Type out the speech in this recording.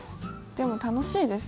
でも楽しいです。